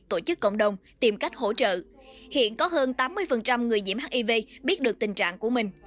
tổ chức cộng đồng tìm cách hỗ trợ hiện có hơn tám mươi người nhiễm hiv biết được tình trạng của mình